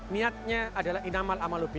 niatnya adalah inamal amalubi